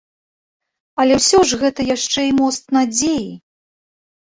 Але ўсё ж гэта яшчэ і мост надзеі.